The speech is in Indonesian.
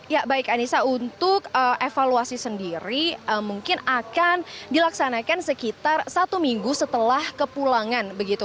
ya baik anissa untuk evaluasi sendiri mungkin akan dilaksanakan sekitar satu minggu setelah kepulangan begitu